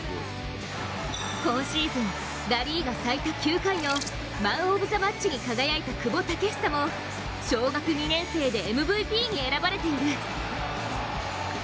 今シーズン、ラ・リーガ最多９回のマン・オブ・ザ・マッチに輝いた久保建英も小学２年生でＭＶＰに選ばれている。